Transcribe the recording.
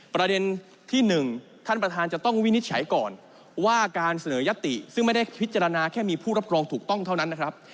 ประเด็นที่๑ท่านประธานจะต้องวินิจฉัยก่อนว่าการเสนอยัตติซึ่งไม่ได้พิจารณาแค่มีผู้รับรองถูกต้องเท่านั้นนะครับ